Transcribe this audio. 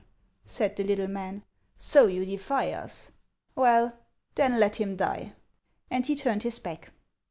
said the little man; "so you defy us! Well, then let him die!'' And he turned his back.